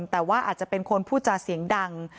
แต่ว่าอาจจะเป็นคนพูดจาเสียงดัง